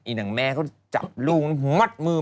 อีหนึ่งแม่ก็จับลูกมัดมือ